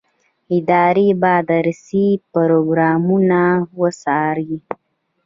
ادارې به درسي پروګرامونه وڅاري.